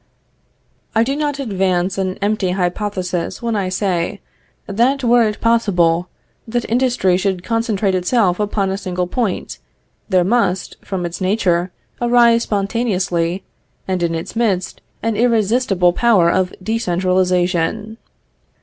I do not advance an empty hypothesis when I say, that were it possible that industry should concentrate itself upon a single point, there must, from its nature, arise spontaneously, and in its midst, an irresistible power of decentralization.